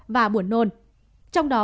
và buồn nôn trong đó